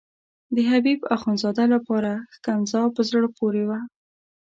د حبیب اخندزاده لپاره ښکنځا په زړه پورې وه.